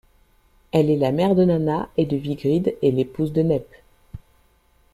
Elle est la mère de Nanna et de Vígríd et l'épouse de Nep.